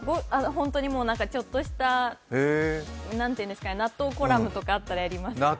本当にちょっとした納豆コラムとかやります。